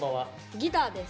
ギターです。